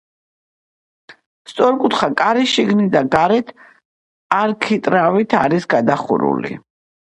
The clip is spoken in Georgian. სწორკუთხა კარი შიგნით და გარეთ არქიტრავით არის გადახურული.